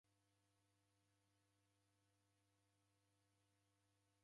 Shoa maw'anu diende w'inga fuw'e